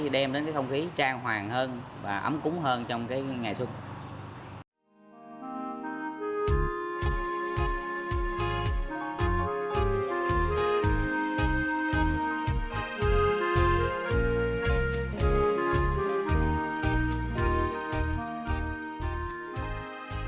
đem đến cái không khí trang hoàng hơn và ấm cúng hơn trong cái ngày xuân à à à à à à à à à à à à à